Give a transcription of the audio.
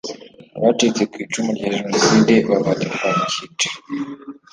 Abacitse ku icumu rya jenoside babarirwa mu kiciro